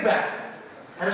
tapi ini bagus